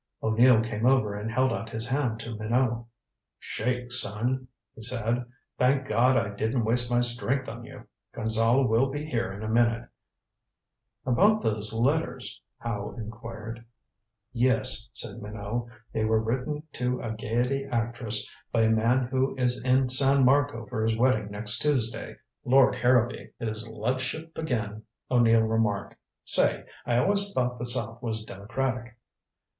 O'Neill came over and held out his hand to Minot. "Shake, son," he said. "Thank God I didn't waste my strength on you. Gonzale will be in here in a minute " "About those letters?" Howe inquired. "Yes," said Minot. "They were written to a Gaiety actress by a man who is in San Marco for his wedding next Tuesday Lord Harrowby." "His ludship again," O'Neill remarked. "Say, I always thought the South was democratic."